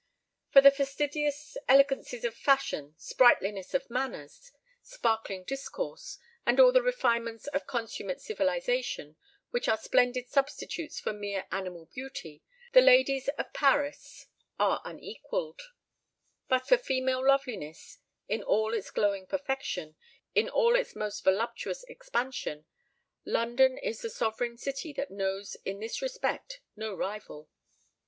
For the fastidious elegancies of fashion, sprightliness of manners, sparkling discourse, and all the refinements of a consummate civilization, which are splendid substitutes for mere animal beauty, the ladies of Paris are unequalled;—but for female loveliness in all its glowing perfection—in all its most voluptuous expansion, London is the sovereign city that knows in this respect no rival.